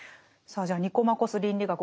さあじゃあ「ニコマコス倫理学」